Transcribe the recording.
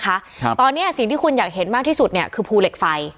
ครับตอนเนี้ยสิ่งที่คุณอยากเห็นมากที่สุดเนี้ยคือภูเหล็กไฟ